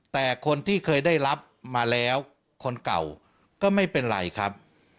แต่คนที่เคยได้รับมาแล้วคนเก่าก็ไม่เป็นไรครับ